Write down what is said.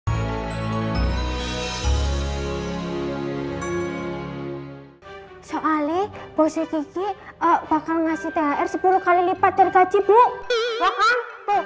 hai soale bose gigi bakal ngasih thr sepuluh kali lipat dari gaji bu bukan tuh